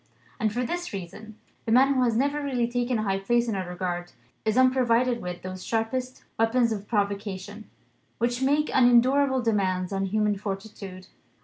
And for this reason: the man who has never really taken a high place in our regard is unprovided with those sharpest weapons of provocation, which make unendurable demands on human fortitude.